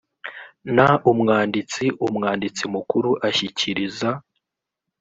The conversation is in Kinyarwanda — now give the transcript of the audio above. n umwanditsi umwanditsi mukuru ashyikiriza